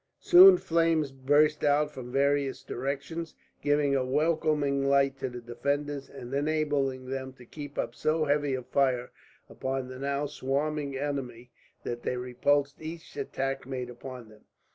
Soon flames burst out from various directions, giving a welcome light to the defenders, and enabling them to keep up so heavy a fire upon the now swarming enemy that they repulsed each attack made upon them.